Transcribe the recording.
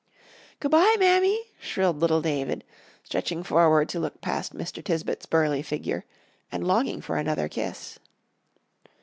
"Good by, Mammy," shrilled little David, stretching forward to look past Mr. Tisbett's burly figure, and longing for another kiss.